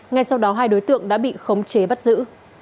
ngay sau đó hai đối tượng đã bị khống chế bắt giữ